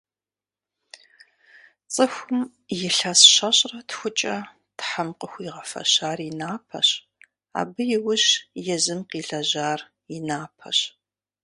Цӏыхум илъэс щэщӏрэ тхукӏэ Тхьэм къыхуигъэфэщар и напэщ, абы иужь езым къилэжьар и напэщ.